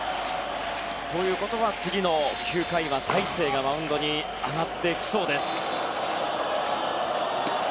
ということは次の９回は大勢がマウンドに上がりそうです。